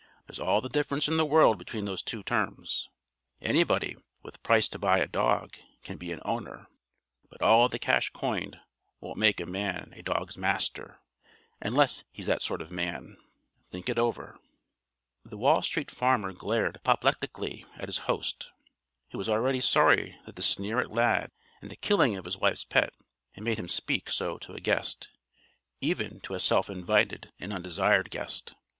There's all the difference in the world between those two terms. Anybody, with price to buy a dog, can be an 'owner,' but all the cash coined won't make a man a dog's 'master' unless he's that sort of man. Think it over." The Wall Street Farmer glared apoplectically at his host, who was already sorry that the sneer at Lad and the killing of his wife's pet had made him speak so to a guest even to a self invited and undesired guest.